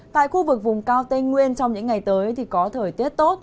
tại khu vực vùng cao tây nguyên trong những ngày tới thì có thời tiết tốt